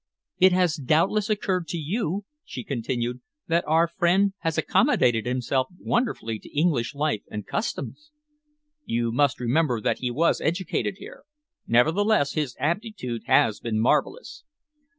"It has doubtless occurred to you," she continued, "that our friend has accommodated himself wonderfully to English life and customs?" "You must remember that he was educated here. Nevertheless, his aptitude has been marvellous."